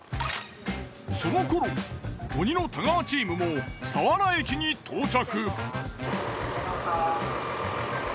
そのころ鬼の太川チームも佐原駅に到着。